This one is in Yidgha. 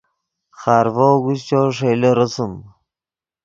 خارڤو اگوشچو ݰئیلے رسم